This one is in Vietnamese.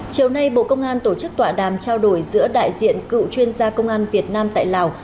chiều nay bộ công an tổ chức tọa đàm trao đổi giữa đại diện cựu chuyên gia công an việt nam tại lào